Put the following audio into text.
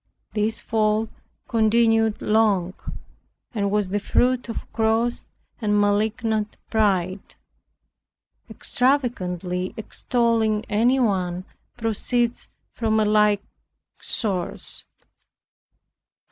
This fault continued long, and was the fruit of gross and malignant pride. Extravagantly extolling anyone proceeds from a like source.